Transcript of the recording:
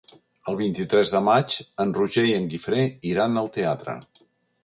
El vint-i-tres de maig en Roger i en Guifré iran al teatre.